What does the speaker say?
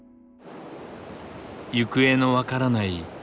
行方の分からない